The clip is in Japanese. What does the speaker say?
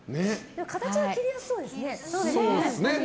形は切りやすそうですね。